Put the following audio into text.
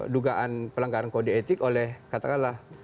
dugaan pelanggaran kode etik oleh katakanlah